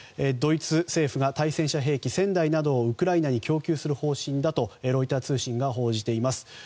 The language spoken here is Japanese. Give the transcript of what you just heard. ドイツ政府が対戦車兵器１０００台などをウクライナに供給する方針だとロイター通信が報じています。